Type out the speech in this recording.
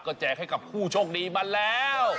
ก็แจกให้กับผู้โชคดีมาแล้ว